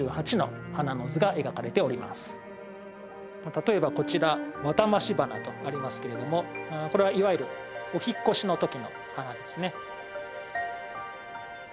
例えばこちら「ワタマシ花」とありますけれどもこれはいわゆるお引っ越しの時の花ですね。